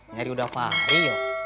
dari ustadz fahri